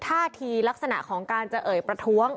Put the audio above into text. ท่าทีลักษณะของการจะเอ่ยประท้วง